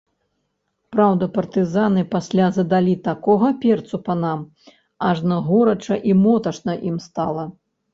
Праўда, партызаны пасля задалі такога перцу панам, ажно горача і моташна ім стала.